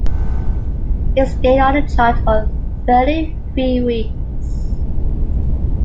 It stayed on the chart for thirty-three weeks.